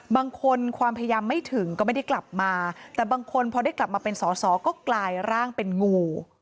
บางคนความพยายามไม่ถึงก็ไม่ได้กลับมาแต่บางคนพอได้กลับมาเป็นสอสอก็กลายร่างเป็นงู